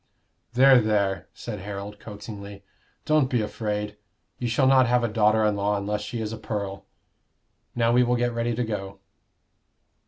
"There, there!" said Harold, coaxingly. "Don't be afraid. You shall not have a daughter in law unless she is a pearl. Now we will get ready to go."